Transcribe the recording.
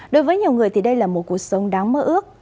đối với nhiều người thì đây là một cuộc sống đáng mơ ước